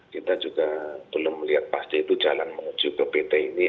kita juga belum melihat pasti itu jalan menuju ke pt ini